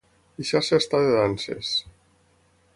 Deixar-se estar de danses.